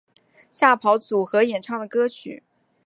吓跑组合演唱的歌曲。